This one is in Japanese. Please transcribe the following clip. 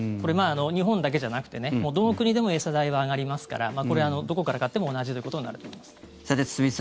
日本だけじゃなくてねどの国でも餌代は上がりますからこれはどこから買っても同じということになると思います。